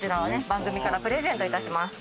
番組からプレゼントいたします。